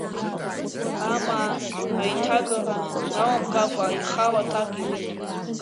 Амаан аиҭагара даламгакәа, ихала аҭак иуит…